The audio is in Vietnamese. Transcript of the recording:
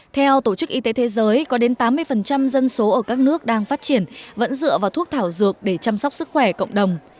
theo tổ chức y tế thế giới có đến tám mươi dân số ở các nước đang phát triển vẫn dựa vào thuốc thảo dược để chăm sóc sức khỏe cộng đồng